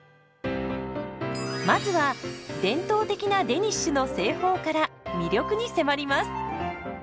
まずは伝統的なデニッシュの製法から魅力に迫ります。